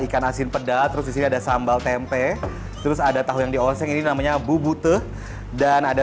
ikan asin peda terus ada sambal tempe terus ada tahu yang di oseng ini namanya bubut teh dan ada